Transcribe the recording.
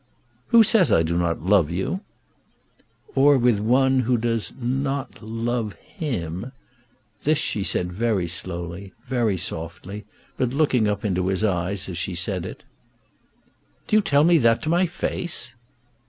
"Who says I do not love you?" "Or with one who does not love him." This she said very slowly, very softly, but looking up into his eyes as she said it. "Do you tell me that to my face?"